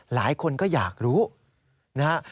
หลายคนก็อยากรู้นะฮะ